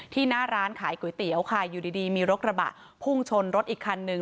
หน้าร้านขายก๋วยเตี๋ยวค่ะอยู่ดีมีรถกระบะพุ่งชนรถอีกคันนึง